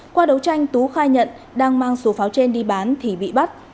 qua đấu tranh tú khai nhận đang mang số pháo trên đi bán thì bị bắt